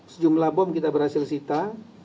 sejumlah bom kita berhasil sita